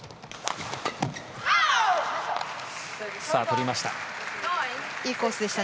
取りました。